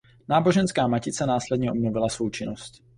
Náboženská matice následně obnovila svou činnost.